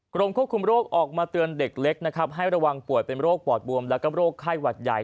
กรมควบคุมโรคออกมาเตือนเด็กเล็กนะครับให้ระวังป่วยเป็นโรคปอดบวมแล้วก็โรคไข้หวัดใหญ่